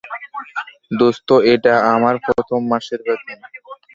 দোস্ত, এটা আমার প্রথম মাসের বেতন।